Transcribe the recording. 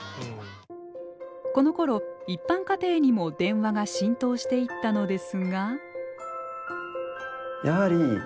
このころ一般家庭にも電話が浸透していったのですが。